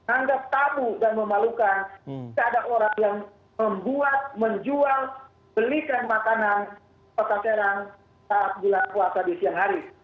anggap tabu dan memalukan jika ada orang yang membuat menjual belikan makanan kota serang saat bulan puasa di siang hari